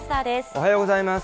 おはようございます。